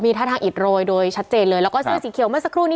ท่าทางอิดโรยโดยชัดเจนเลยแล้วก็เสื้อสีเขียวเมื่อสักครู่นี้